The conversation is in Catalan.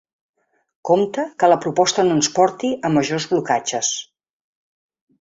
Compte que la proposta no ens porti a majors blocatges.